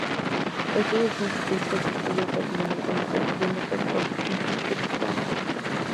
Estudió Ciencias Políticas y Estudios Latinoamericanos de la University of New Castle Upon Time.